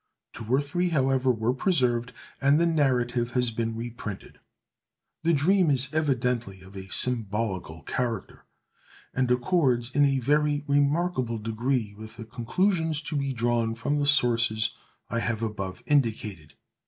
Two or three, however, were preserved, and the narrative has been reprinted. The dream is evidently of a symbolical character, and accords in a very remarkable degree with the conclusions to be drawn from the sources I have above indicated.